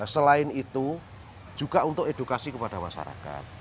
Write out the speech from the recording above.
selain itu juga untuk edukasi kepada masyarakat